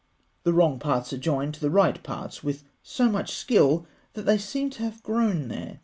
The wrong parts are joined to the right parts with so much skill that they seem to have grown there.